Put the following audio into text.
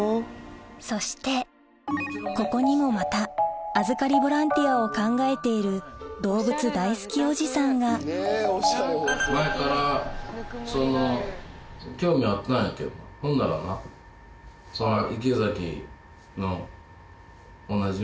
そしてここにもまた預かりボランティアを考えている動物大好きおじさんがほんだらなその。